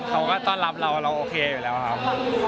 เขาก็ต้อนรับเราเราโอเคอยู่แล้วครับ